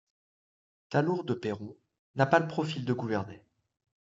Thalour de Perron n'a pas le profil de gouverner.